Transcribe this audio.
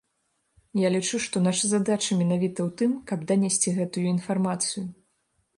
Я лічу, што наша задача менавіта ў тым, каб данесці гэтую інфармацыю.